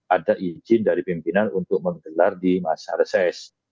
ada izin dari pimpinan untuk menggelar di masa reses